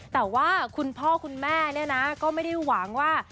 แต่ว่าคุณพ่อคุณแม่ก็ไม่ได้หวังว่า